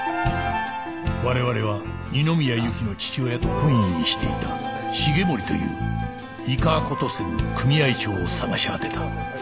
我々は二宮ゆきの父親と懇意にしていた重森という井川湖渡船の組合長を捜し当てた